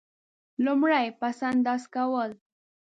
لومړی: پس انداز کول.